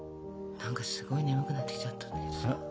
何かすごい眠くなってきちゃったんだけどさ。